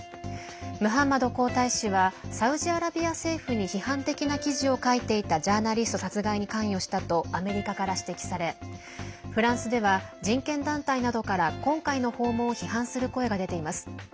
ムハンマド皇太子はサウジアラビア政府に批判的な記事を書いていたジャーナリスト殺害に関与したとアメリカから指摘されフランスでは人権団体などから今回の訪問を批判する声が出ています。